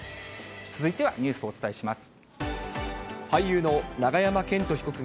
続いてはニュースをお伝えします。